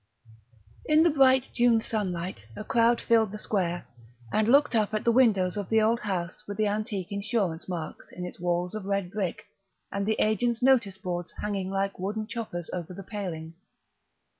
XII In the bright June sunlight a crowd filled the square, and looked up at the windows of the old house with the antique insurance marks in its walls of red brick and the agents' notice boards hanging like wooden choppers over the paling.